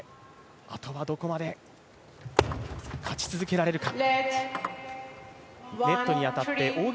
あとはどこまで勝ち続けられるか。